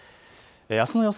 あすの予想